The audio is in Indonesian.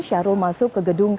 sarul masuk ke gedung kpk